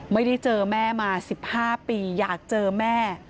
ไม่ได้เจอแม่มา๑๕ปีอยากเจอแม่